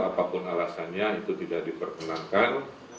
apapun alasannya itu tidak diperkenankan